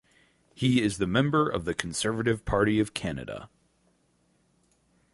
He is the member of the Conservative Party of Canada.